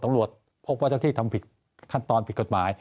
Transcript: ตำรวจพบว่าเจ้าที่ทำผิดขั้นตอนผิดกฎหมาย